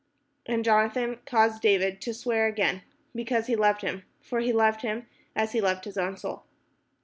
And Jonathan caused David to swear again, because he loved him: for he loved him as he loved his own soul.